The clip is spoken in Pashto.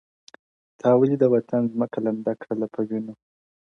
تا ولې د وطن ځمکه لمده کړله په وينو’